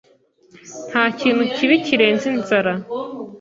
Ntakintu kibi kirenze inzara.